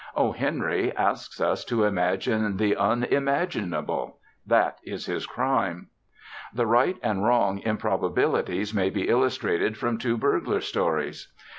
O. Henry asks us to imagine the unimaginable that is his crime. The right and wrong improbabilities may be illustrated from two burglar stories.